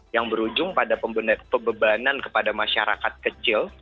yang berujung pada pembebanan kepada masyarakat kecil